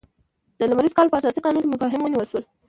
د لمریز کال په اساسي قانون کې مفاهیم ونیول شول.